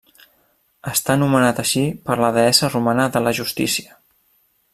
Està nomenat així per la deessa romana de la justícia.